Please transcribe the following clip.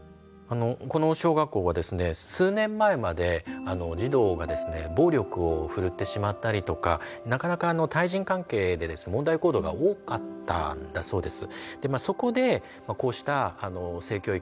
この小学校はですね数年前まで児童が暴力を振るってしまったりとかなかなか対人関係で問題行動が多かったんだそうです。